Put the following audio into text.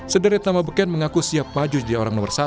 sederet nama beken mengaku siap maju jadi orang nomor satu